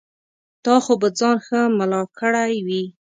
تا خو به ځان ښه ملا کړی وي.